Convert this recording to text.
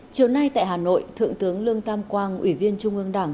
chiều nay tại hà nội thượng tướng lương tam quang ủy viên trung ương đảng